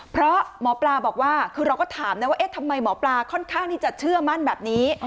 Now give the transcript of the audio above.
เพราะหมอปลาบอกว่าคือเราก็ถามนะว่าเอ๊ะทำไมหมอปลาค่อนข้างที่จะเชื่อมั่นแบบนี้